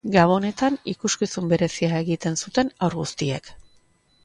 Gabonetan ikuskizun berezia egiten zuten haur guztiek.